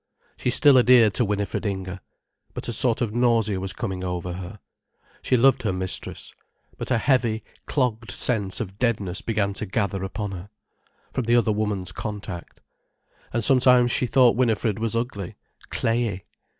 She still adhered to Winifred Inger. But a sort of nausea was coming over her. She loved her mistress. But a heavy, clogged sense of deadness began to gather upon her, from the other woman's contact. And sometimes she thought Winifred was ugly, clayey.